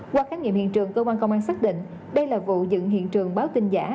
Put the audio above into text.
qua khám nghiệm hiện trường cơ quan công an xác định đây là vụ dựng hiện trường báo tin giả